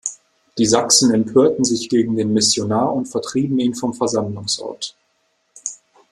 Die Sachsen empörten sich gegen den Missionar und vertrieben ihn vom Versammlungsort.